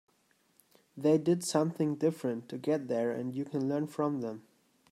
They did something different to get there and you can learn from them.